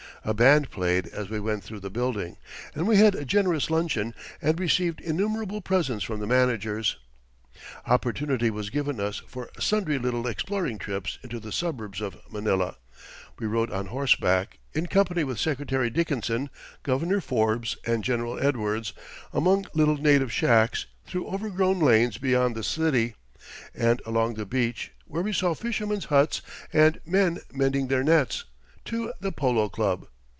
A band played as we went through the building, and we had a generous luncheon and received innumerable presents from the managers. Opportunity was given us for sundry little exploring trips into the suburbs of Manila. We rode on horseback, in company with Secretary Dickinson, Governor Forbes and General Edwards, among little native shacks, through overgrown lanes beyond the city, and along the beach, where we saw fishermen's huts and men mending their nets, to the Polo Club.